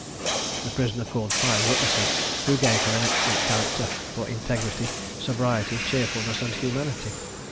The prisoner called five witnesses, who gave her an excellent character for integrity, sobriety, cheerfulness, and humanity.